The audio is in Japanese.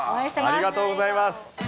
ありがとうございます。